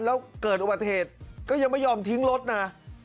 แล้วเกิดอุบัติเหตุก็ยังไม่ยอมทิ้งรถนะ